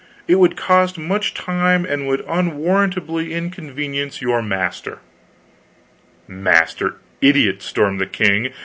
It would cost much time, and would unwarrantably inconvenience your master " "Master, idiot!" stormed the king.